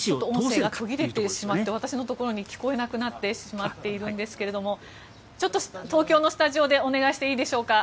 音声が途切れてしまって私のところに聞こえなくなってしまっているんですが東京のスタジオでお願いしていいでしょうか。